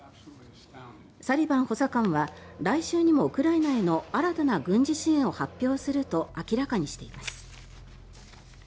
サリバン補佐官は来週にもウクライナへの新たな軍事支援を発表すると明らかにしています。